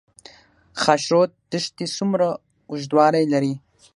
خاشرود دښتې څومره اوږدوالی لري؟